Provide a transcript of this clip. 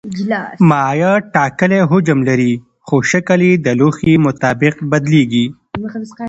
مایع ټاکلی حجم لري خو شکل یې د لوښي مطابق بدلېږي.